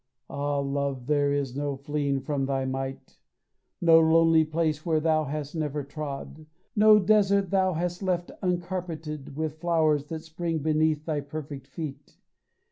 Ah, Love there is no fleeing from thy might, No lonely place where thou hast never trod, No desert thou hast left uncarpeted With flowers that spring beneath thy perfect feet.